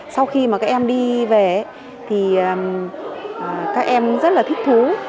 sau khi mà các em đi về thì các em rất là thích thú